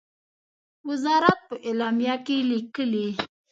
وزارت په اعلامیه کې لیکلی،